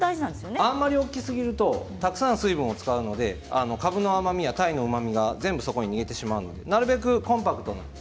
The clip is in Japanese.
あまり大きすぎるとたくさん水分を使うのでかぶや鯛のうまみが全部そこに出てしまうのでなるべくコンパクトに。